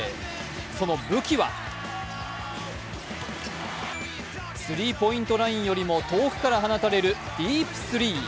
その武器はスリーポイントラインよりも遠くから放たれるディープスリー。